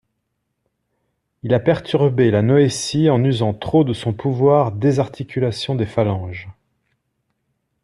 il a perturbé la noétie en usant trop de son pouvoir «Désarticulation des phalanges.